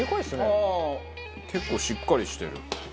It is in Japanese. ああ結構しっかりしてる。